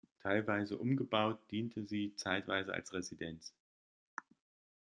Teilweise umgebaut diente sie zeitweise als Residenz.